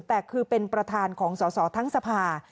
แต่คือเป็นประธานของสอสอทั้งสภา